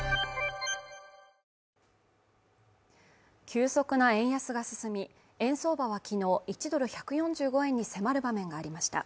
急速な円安が進み円相場はきのう１ドル１４５円に迫る場面がありました